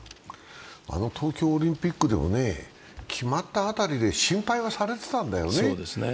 東京オリンピックでは決まった辺りで心配はされてたんだよね。